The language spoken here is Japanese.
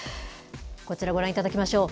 こちらご覧いただきましょう。